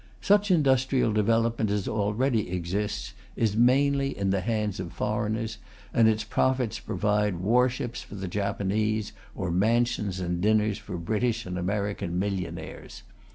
Such industrial development as already exists is mainly in the hands of foreigners, and its profits provide warships for the Japanese, or mansions and dinners for British and American millionaires.